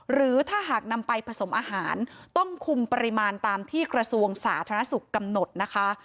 หรือถ้าหากนำไปผสมอาหารต้องคุมปริมาณตามที่กระทรวงสาธารณสุขกำหนดนะคะ